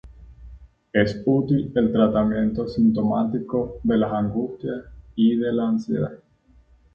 Es útil en el tratamiento sintomático de la angustia y de la ansiedad.